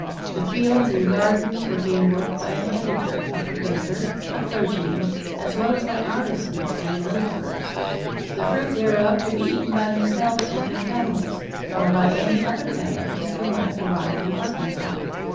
The fields and gardens were being worked by an editor, a professor, a clergyman, as well as by artisans and laborers, the fruit thereof to be eaten by themselves and their families or by any other families who might arrive from Arkansas.